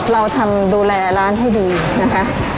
เราทำดูแลร้านให้ดีนะคะ